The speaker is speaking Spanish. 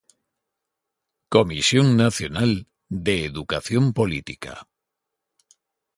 Comisión Nacional de Educación Política.